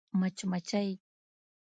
🐝 مچمچۍ